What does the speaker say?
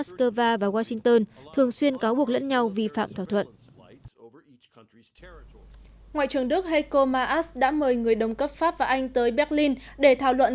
ngoại trưởng đức heiko maas đã mời người đồng cấp pháp và anh tới berlin để thảo luận